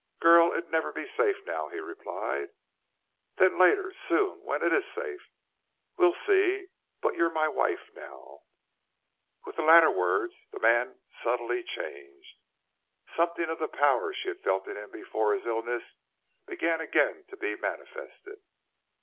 "Girl, it'd never be safe now," he replied. "Then later soon when it is safe?" "We'll see.... But you're my wife now!" With the latter words the man subtly changed. Something of the power she had felt in him before his illness began again to be manifested.